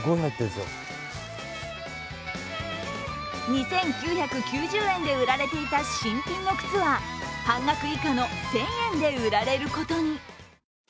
２９９０円で売られていた新品の靴は半額以下の１０００円で売られることに。